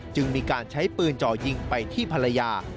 จึงมีการใช้ปืนจ่อยิงไปที่ภรรยา